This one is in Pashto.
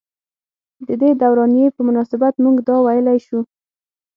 ددې دورانيې پۀ مناسبت مونږدا وئيلی شو ۔